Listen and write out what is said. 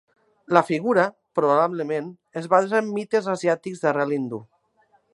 La figura, probablement, es basa en mites asiàtics d'arrel hindú.